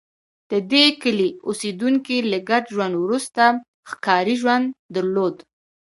د دې کلي اوسېدونکي له ګډ ژوند وروسته ښکاري ژوند درلود